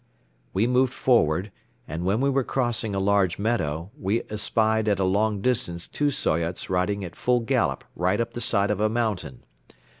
We moved forward and, when we were crossing a large meadow, we espied at a long distance two Soyots riding at full gallop right up the side of a mountain.